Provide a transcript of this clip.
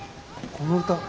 この歌。